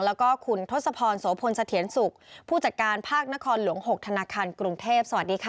แล้วก็คุณทศพรโสพลเสถียรสุขผู้จัดการภาคนครหลวง๖ธนาคารกรุงเทพสวัสดีค่ะ